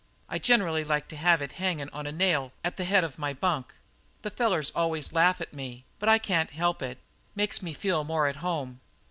I generally like to have it hangin' on a nail at the head of my bunk. The fellers always laugh at me, but I can't help it; makes me feel more at home."